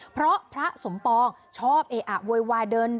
เพราะพระสมปองชอบเออะโวยวายเดิน